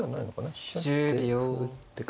飛車行って歩打ってか。